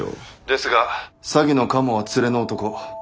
ですが詐欺のカモは連れの男。